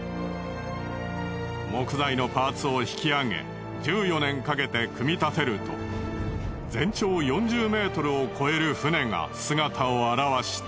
木材のパーツを引き上げ１４年かけて組み立てると全長４０ｍを超える船が姿を現した。